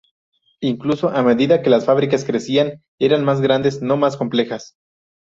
Incluso a medida que las fábricas crecían, eran más grandes, no más complejas.